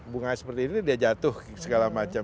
bunga seperti ini dia jatuh segala macam